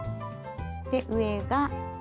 で上が。